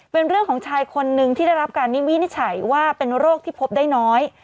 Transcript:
เป็นเรื่องของชายคนนึงที่ได้รับการวินิจฉัยว่าเป็นโรคที่พบได้น้อย